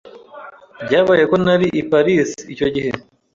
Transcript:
Byabaye ko nari i Paris icyo gihe.